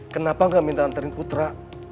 kenapa gak minta antarin putra